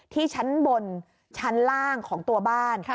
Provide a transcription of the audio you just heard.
ที่ชั้นบนชั้นล่างของตัวบ้าน